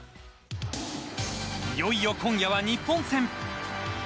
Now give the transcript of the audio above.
いよいよ今夜は日本戦。